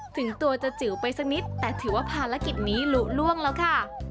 ถึงตัวจะจิ๋วไปสักนิดแต่ถือว่าภารกิจนี้ลุล่วงแล้วค่ะ